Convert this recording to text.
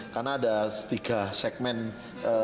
karena ada tiga segmennya